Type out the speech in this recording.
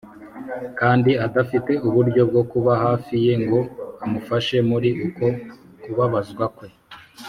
kandi adafite uburyo bwo kuba hafi ye ngo amufashe muri uko kubabazwa kwe?